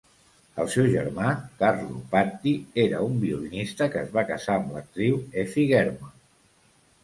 El seu germà, Carlo Patti, era un violinista que es va casar amb l'actriu Effie Germon.